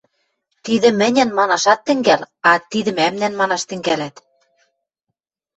«Тидӹ мӹньӹн» манаш ат тӹнгӓл, а «Тидӹ мӓмнӓн» манаш тӹнгӓлӓт.